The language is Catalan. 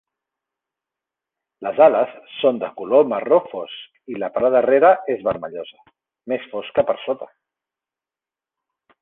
Les ales són de color marró fosc i la part de darrera és vermellosa, més fosca per sota.